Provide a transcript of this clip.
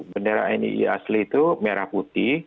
bendera nii asli itu